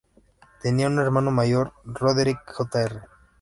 Tenía un hermano mayor, Roderick Jr.